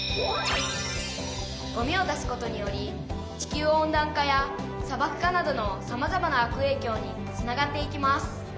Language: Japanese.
「ゴミを出すことにより地球温暖化やさばく化などのさまざまな悪影響につながっていきます」。